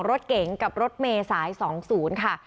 รถเก๋งกับรถเมษาย๒๐ค่ะ